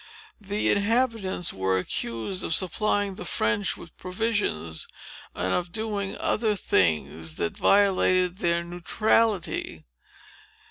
The inhabitants were accused of supplying the French with provisions, and of doing other things that violated their neutrality.